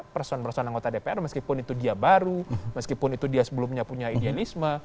person person anggota dpr meskipun itu dia baru meskipun itu dia sebelumnya punya idealisme